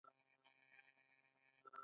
کاناډا د وسلو صنعت لري.